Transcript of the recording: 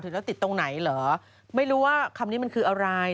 เอ้าเวลาเวีย